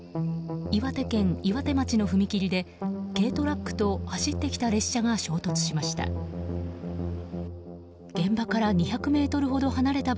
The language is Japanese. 岩手県岩手町の踏切で軽トラックと走ってきた列車が衝突しました。